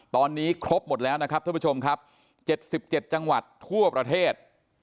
ตอนนี้ครบหมดแล้วนะครับท่านผู้ชมครับ๗๗จังหวัดทั่วประเทศ